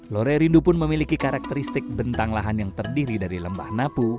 lore rindu pun memiliki karakteristik bentang lahan yang terdiri dari lembah napu